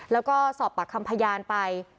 แล้วก็สอบปากคำพยานไป